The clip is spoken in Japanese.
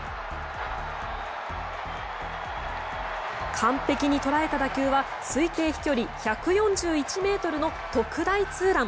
完璧に捉えた打球は推定飛距離１４１ｍの特大ツーラン。